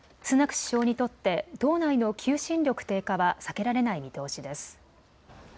首相にとって党内の求心力低下は避けられない見通しです。